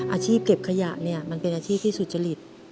อาชีพเก็บขยะเนี่ยมันเป็นอาชีพที่สุจริต